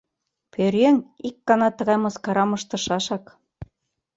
— Пӧръеҥ ик гана тыгай мыскарам ыштышашак.